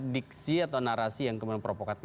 diksi atau narasi yang kemudian provokatif